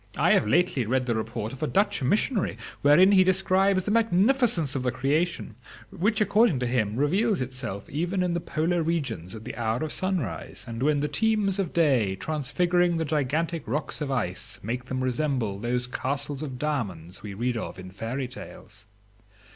"I have lately read the report of a Dutch missionary, wherein he describes the magnificence of the creation, which, according to him, reveals itself even in the polar regions at the hour of sunrise, and when the teams of day, transfiguring the gigantic rocks of ice, make them resemble those castles of diamonds we read of in fairy tales.